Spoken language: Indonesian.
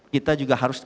kita juga harus